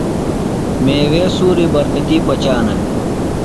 میوے سُوری برکتی پچانہ۔